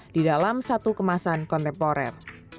di dalam satu kemasan kontemporer